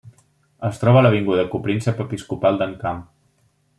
Es troba a l'avinguda Copríncep Episcopal d'Encamp.